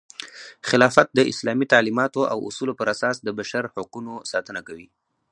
خلافت د اسلامي تعلیماتو او اصولو پراساس د بشر حقونو ساتنه کوي.